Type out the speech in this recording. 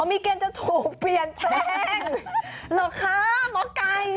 มีเกณฑ์จะถูกเปลี่ยนแปลงเหรอคะหมอไก่